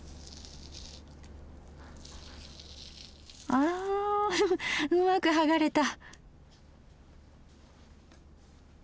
うんうまく剥がれた！